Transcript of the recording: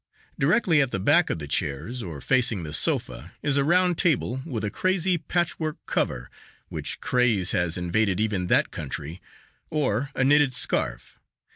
Directly at the back of the chairs, or facing the sofa, is a round table with a "crazy" patchwork cover which craze has invaded even that country or a knitted scarf.